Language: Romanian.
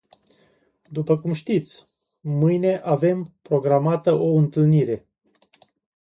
După cum știți, mâine avem programată o întâlnire.